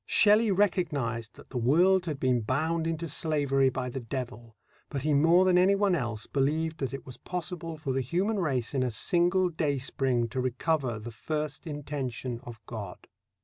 Shelley recognized that the world had been bound into slavery by the Devil, but he more than anyone else believed that it was possible for the human race in a single dayspring to recover the first intention of God.